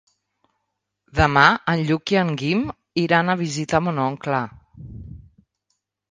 Demà en Lluc i en Guim iran a visitar mon oncle.